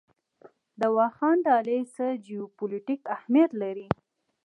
د واخان دهلیز څه جیوپولیټیک اهمیت لري؟